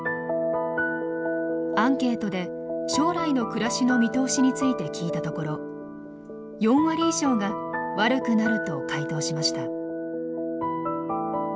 アンケートで将来の暮らしの見通しについて聞いたところ４割以上が悪くなると回答しました。